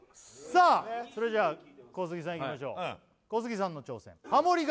さあそれじゃあ小杉さんいきましょう小杉さんの挑戦ハモリ